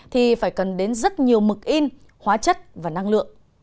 thì phải cần đến rất nhiều mực in hóa chất và năng lượng